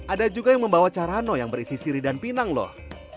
ada juga yang membawa carano yang berisi siri dan pinang loh